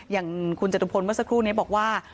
อย่างคุณจตุพลเมื่อสักครู่นี้บอกว่า